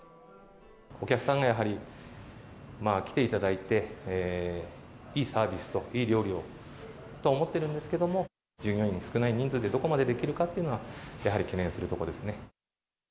お客さんがやはり、来ていただいて、いいサービスといい料理をと思ってるんですけども、従業員の少ない人数でどこまでできるかというのは、やはり懸念するところです